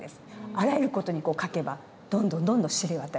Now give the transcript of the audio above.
あらゆる事に書けばどんどんどんどん知れ渡る。